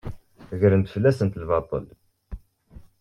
Gren-d fell-asent lbaṭel.